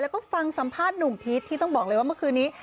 แล้วก็ฟังสัมภาษณ์หนุ่มพีชที่ต้องบอกเลยว่าเมื่อคืนนี้